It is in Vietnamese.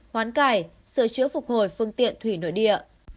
hoán cải sửa chữa phục hồi phương tiện thủy nội địa